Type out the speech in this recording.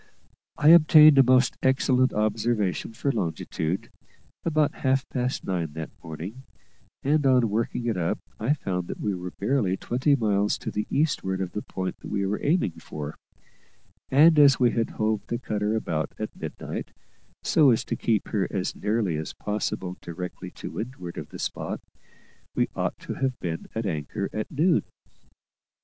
I obtained a most excellent observation for longitude, about half past nine that morning, and on working it up I found that we were barely twenty miles to the eastward of the point we were aiming for: and as we had hove the cutter about at midnight, so as to keep her as nearly as possible directly to windward of the spot, we ought to have been at anchor at noon.